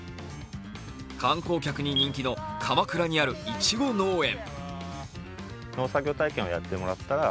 観光客に人気の鎌倉にあるいちご農園。